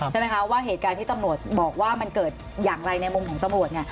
ใช่ไหมคะว่าเหตุการณ์ที่ตำรวจบอกว่ามันเกิดอย่างไรในมุมของตำรวจ